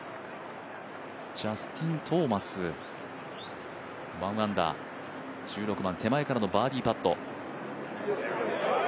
ジャスティン・トーマス１アンダー、１６番手前からのバーディーパット。